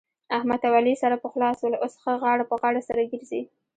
احمد اوعلي سره پخلا سول. اوس ښه غاړه په غاړه سره ګرځي.